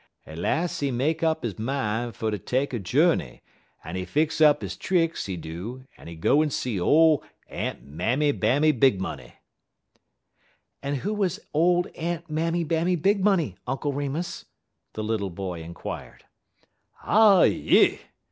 Las' he make up he min' fer ter take a journey, en he fix up he tricks, he do, en he go en see ole Aunt Mammy Bammy Big Money." "And who was old Aunt Mammy Bammy Big Money, Uncle Remus?" the little boy inquired. "Ah yi!"